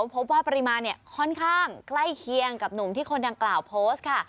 พบว่าปริมาณค่อนข้างใกล้เคียงกับหนุ่มที่คนดังกล่าวโพสต์ค่ะ